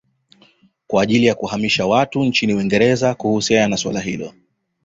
Kwa ajili ya kuhamasisha watu nchini Uingereza kuhusiana na suala hilo